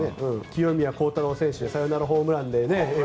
清宮幸太郎選手のサヨナラホームランでね。